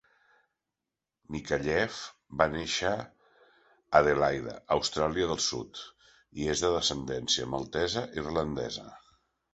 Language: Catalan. Micallef va nàixer a Adelaida, Austràlia del Sud, i és de descendència maltesa i irlandesa.